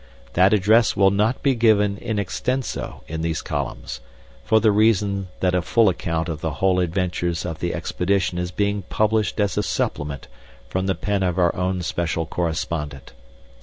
That address will not be given in extenso in these columns, for the reason that a full account of the whole adventures of the expedition is being published as a supplement from the pen of our own special correspondent.